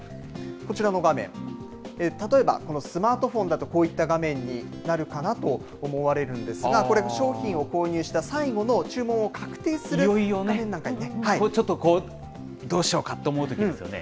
こちらの画面、例えば、スマートフォンだと、こういった画面になるかなと思われるんですが、これ、商品を購入した最後の注文を確定する場面なんかにね。ちょっとどうしようかと思うときですよね。